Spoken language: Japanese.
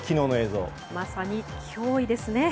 まさに脅威ですね。